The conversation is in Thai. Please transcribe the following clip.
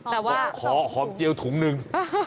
แต่ว่าขอหอมเจียวถุงหนึ่ง